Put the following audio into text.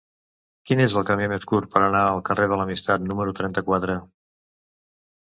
Quin és el camí més curt per anar al carrer de l'Amistat número trenta-quatre?